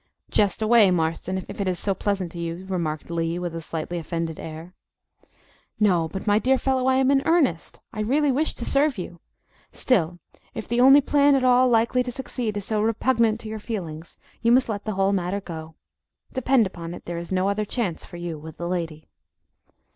"Jest away, Marston, if it is so pleasant to you," remarked Lee, with a slightly offended air. "No, but my dear fellow, I am in earnest. I really wish to serve you. Still if the only plan at all likely to succeed is so repugnant to your feelings, you must let the whole matter go. Depend upon it, there is no other chance for you with the lady."